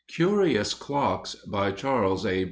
CURIOUS CLOCKS BY CHARLES A.